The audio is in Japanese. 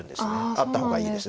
あった方がいいです。